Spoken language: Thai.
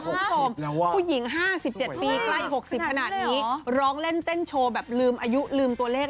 คุณผู้ชมผู้หญิง๕๗ปีใกล้๖๐ขนาดนี้ร้องเล่นเต้นโชว์แบบลืมอายุลืมตัวเลข